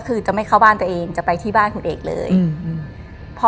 คือจะไม่เข้าบ้านตัวเองจะไปที่บ้านคุณเอกเลยอืม